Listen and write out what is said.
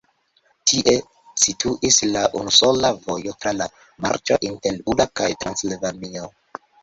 Tie situis la unusola vojo tra la marĉo inter Buda kaj Transilvanio.